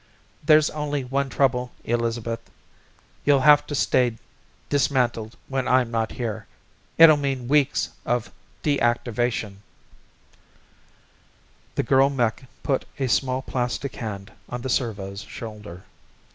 "There's only one trouble. Elizabeth, you'll have to stay dismantled when I'm not here, it'll mean weeks of deactivation " The girl mech put a small plastic hand on the servo's shoulder.